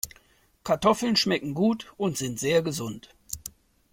Kartoffeln schmecken gut und sind sehr gesund.